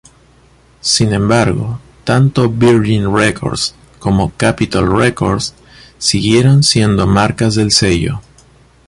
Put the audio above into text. Sin embargo, tanto Virgin Records como Capitol Records, siguieron siendo marcas del sello.